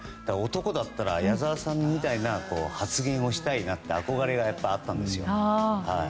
男だったら矢沢さんみたいな発言をしたいなって憧れがあったんですよ。